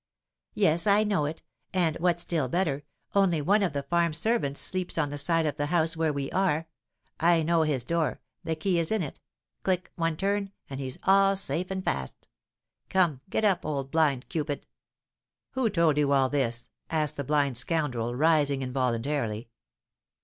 "Yes, I know it; and, what's still better, only one of the farm servants sleeps on the side of the house where we are. I know his door the key is in it click, one turn, and he's all safe and fast. Come, get up, old blind Cupid!" "Who told you all this?" asked the blind scoundrel, rising involuntarily.